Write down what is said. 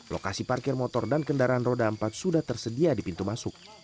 lokasi parkir motor dan kendaraan roda empat sudah tersedia di pintu masuk